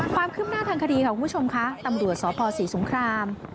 ความคืบหน้าทางคดีค่ะคุณผู้ชมค่ะตำรวจสพศรีสงคราม